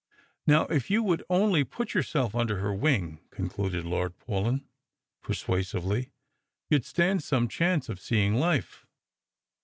Now, if you would only put yourself under her wing," concluded Lord Paulyn persuasively, " you'd stand Bome chance of seeing life."